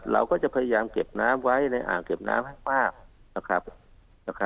เราก็จะพยายามเก็บน้ำไว้ในอ่างเก็บน้ำให้มากนะครับ